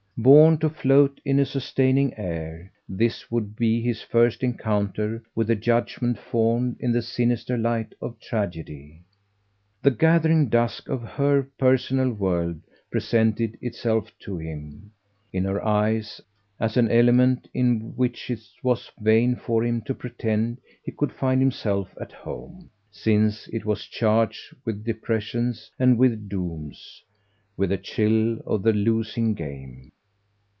Born to float in a sustaining air, this would be his first encounter with a judgement formed in the sinister light of tragedy. The gathering dusk of HER personal world presented itself to him, in her eyes, as an element in which it was vain for him to pretend he could find himself at home, since it was charged with depressions and with dooms, with the chill of the losing game.